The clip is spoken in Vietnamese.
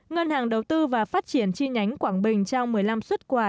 ngân hàng đầu tư và phát triển chi nhánh quảng bình trao một mươi năm xuất quà